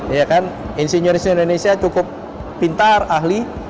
ya kan insinyur insinyur indonesia cukup pintar ahli